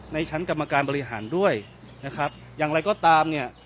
ในชั้นกรรมการบริหารด้วยนะครับอย่างไรก็ตามเนี่ย